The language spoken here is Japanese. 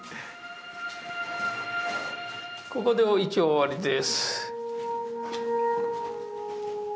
ここで一応終わりです。